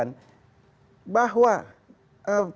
ini sudah mencapai satu juta